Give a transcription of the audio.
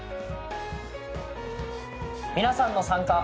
皆さんの参加。